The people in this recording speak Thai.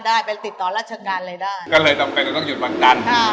ได้ไปติดต่อราชการอะไรได้ก็เลยจำเป็นจะต้องหยุดวันจันทร์อ่า